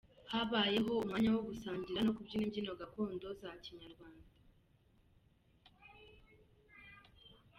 Habayeho umwanya wo gusangira no kubyina imbyino gakondo za Kinyarwanda.